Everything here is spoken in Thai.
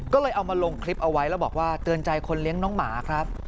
ก็เลยเอามาลงคลิปเอาไว้แล้วบอกว่าเตือนใจคนเลี้ยงน้องหมาครับ